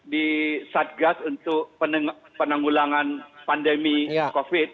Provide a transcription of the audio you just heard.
di satgas untuk penanggulangan pandemi covid